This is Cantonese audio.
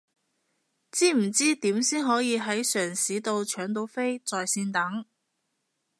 知唔知點先可以係城市到搶到飛在線等？